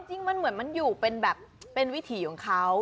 จริงมันเหมือนอยู่ไปเป็นวิถีของเขา